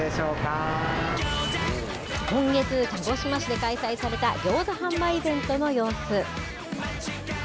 今月、鹿児島市で開催されたギョーザ販売イベントの様子。